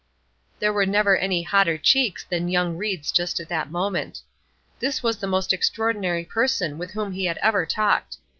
There were never any hotter cheeks than young Ried's just at that moment. This was the most extraordinary person with whom he had ever talked.